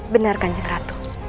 benar kanjeng ratu